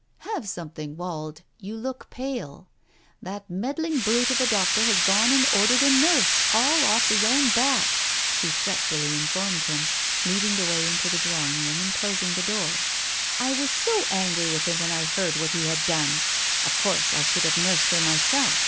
"Have something, Wald. You look pale. That meddling brute of a doctor has gone and ordered a nurse all off his own bat !" she fretfully informed him, leading the way into the drawing room and closing the door. "I was so angry with him when I heard what he had done. Of course I should have nursed her myself.